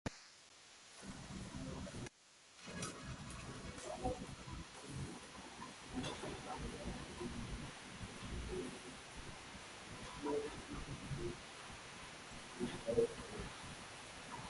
Their respective series "Gaston Lagaffe", "Lucky Luke" and "The Smurfs" became international bestsellers.